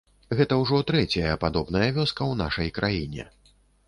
Гэта ўжо трэцяя падобная вёска ў нашай краіне.